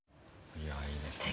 いやいいですね。